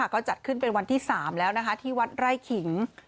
ก็จัดขึ้นเป็นวันที่๓แล้วนะคะที่วัดไร่ขิง